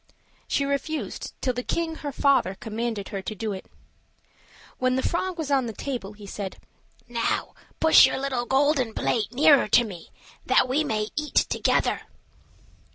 She refused, till the king, her father, commanded her to do it. When the frog was on the table, he said, "Now push your little golden plate nearer to me, that we may eat together."